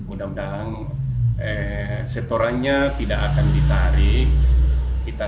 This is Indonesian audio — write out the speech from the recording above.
undang undang setorannya tidak akan ditarik